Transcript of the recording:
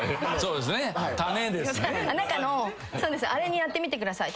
中のあれにやってみてください。